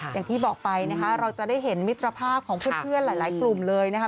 อย่างที่บอกไปนะคะเราจะได้เห็นมิตรภาพของเพื่อนหลายกลุ่มเลยนะคะ